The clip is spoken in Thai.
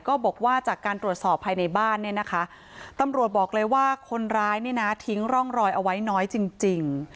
ก็บอกว่าจากการตรวจสอบภายในบ้านตำรวจบอกเลยว่าคนร้ายทิ้งร่องรอยเอาไว้น้อยจริง